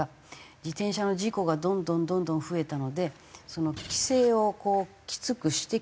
自転車の事故がどんどんどんどん増えたので規制をきつくしてきたんですよね？